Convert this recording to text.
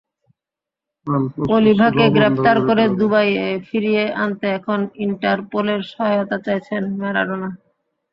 অলিভাকে গ্রেপ্তার করে দুবাইয়ে ফিরিয়ে আনতে এখন ইন্টারপোলের সহায়তা চাইছেন ম্যারাডোনা।